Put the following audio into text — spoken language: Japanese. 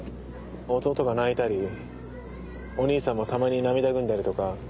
弟が泣いたりお兄さんもたまに涙ぐんだりとか。